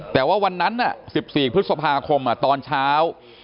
แต่ว่าวันนั้น๑๔พฤษภาคมตอนเช้า